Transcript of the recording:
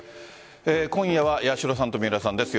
今夜は八代さんと三浦さんです。